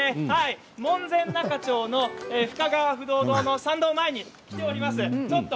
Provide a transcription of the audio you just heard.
門前仲町の深川不動堂の参道の前に来ています。